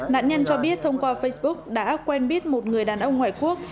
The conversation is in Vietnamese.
nạn nhân cho biết thông qua facebook đã quen biết một người đàn ông ngoại quốc